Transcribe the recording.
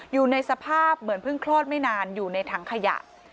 อยู่ในสภาพเหมือนเพิ่งคลอดไม่นานอยู่ในถังขยะ